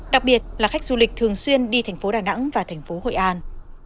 đặc biệt là khách du lịch thường xuyên đi tp đà nẵng và tp hội an